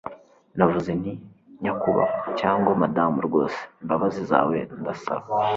navuze nti nyakubahwa, cyangwa madamu, rwose imbabazi zawe ndasaba